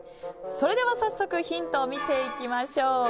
それでは、早速ヒントを見ていきましょう。